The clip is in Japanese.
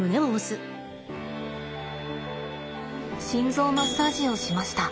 心臓マッサージをしました。